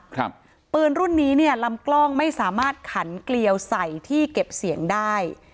ปืนรุ่นนี้เนี่ยลำกล้องไม่สามารถขันเกลียวใส่ที่เก็บเสียงได้